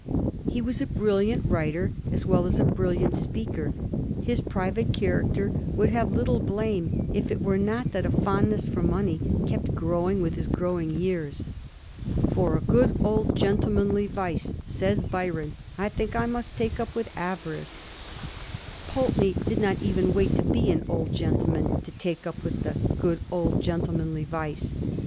He was a brilliant writer as well as a brilliant speaker. His private character would have little blame if it were not that a fondness for money kept growing with his growing years. * For a good old gentlemanly vice,' says Byron, ' I think I must take up with avarice/ Pulteney did not even wait to be an old gentleman to take up with ' the good old gentlemanly vice.'